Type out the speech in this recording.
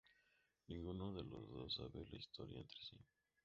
Ninguno de los dos sabe la historia entre sí.